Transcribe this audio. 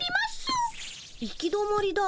行き止まりだ。